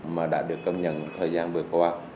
mà đã được công nhận thời gian vừa qua